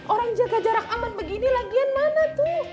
orang jaga jarak aman begini lagian mana tuh